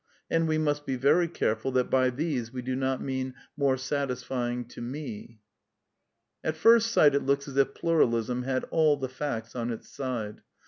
And we must be very careful that by these we do not mean ^^ more satis fying to me/' At first sight it looks as if Pluralism had all the facts y/ on its side.